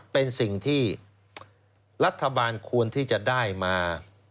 เป็นสิ่งที่รัฐบาลควรที่จะได้มา